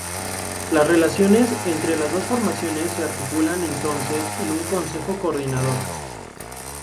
Las relaciones entre las dos formaciones se articulan entonces en un Consejo Coordinador.